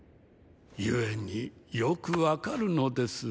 故によく分かるのです。